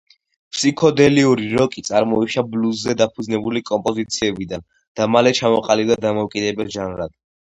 ფსიქოდელიური როკი წარმოიშვა ბლუზზე დაფუძნებული კომპოზიციებიდან და მალე ჩამოყალიბდა დამოუკიდებელ ჟანრად.